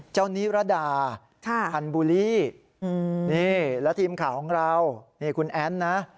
เจ้านิรดาคันบูลี่แล้วทีมข่าวของเราคุณแอ้นนะ